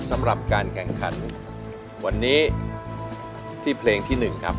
สำหรับการแข่งขันวันนี้ที่เพลงที่๑ครับ